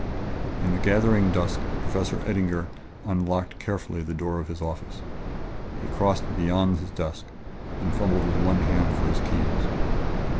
In the gathering dusk Professor Eddinger locked carefully the door of his office. He crossed beyond his desk and fumbled with his one hand for his keys.